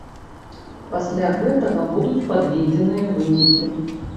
Пасля гэтага будуць падведзеныя вынікі.